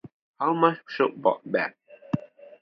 How much should Bob bet?